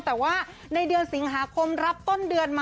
แต่ว่าในเดือนสิงหาคมรับต้นเดือนมา